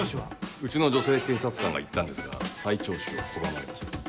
うちの女性警察官が行ったんですが再聴取を拒まれました。